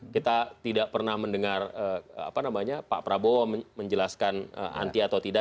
kita tidak pernah mendengar pak prabowo menjelaskan anti atau tidak